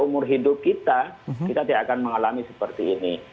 umur hidup kita kita tidak akan mengalami seperti ini